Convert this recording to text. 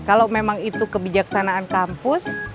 kalau memang itu kebijaksanaan kampus